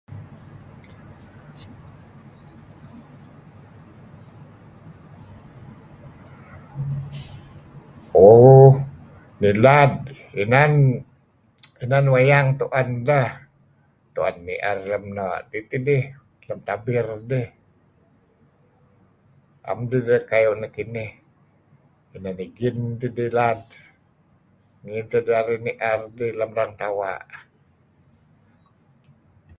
Ooh nilad inan wayang tu'en deh tu'en ni'er lem no' dih tidih lem tabir dih 'em dih kayu' nekinih inan egin teh idih nilad nih teh narih ni'er idih lem rang tawa'.